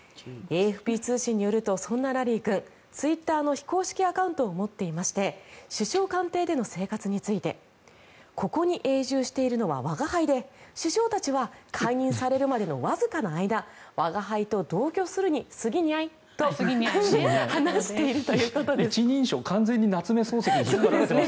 ＡＦＰ通信によるとそんなラリー君ツイッターの非公式アカウントを持っていまして首相官邸での生活についてここに永住しているのは吾輩で首相たちは解任されるまでのわずかな間吾輩と同居するにすぎニャいと一人称、完全に夏目漱石に引っ張られてますよね。